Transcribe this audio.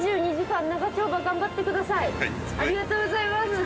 ありがとうございます。